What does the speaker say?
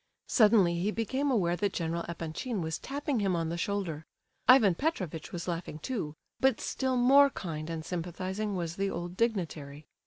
Suddenly he became aware that General Epanchin was tapping him on the shoulder; Ivan Petrovitch was laughing too, but still more kind and sympathizing was the old dignitary.